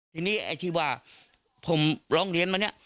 ทีนี้ไอ้ที่ว่าผมร้องเรียนมาเนี่ย